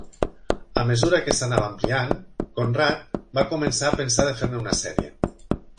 A mesura que s'anava ampliant, Conrad va començar a pensar de fer-ne una sèrie.